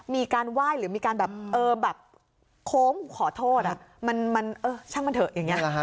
มีการไหว้หรือมีการแบบโค้งขอโทษมันช่างมันเถอะอย่างนี้